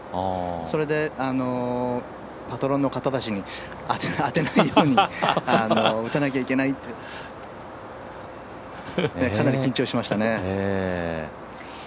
それでパトロンの方たちに当てないように打たなきゃいけない、かなり緊張しましたね。